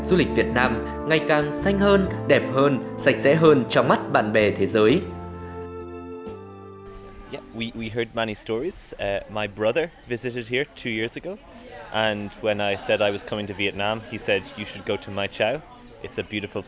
du lịch việt nam ngày càng xanh hơn đẹp hơn sạch sẽ hơn trong mắt bạn bè thế giới